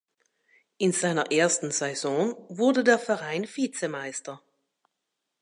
In seiner ersten Saison wurde der Verein Vizemeister.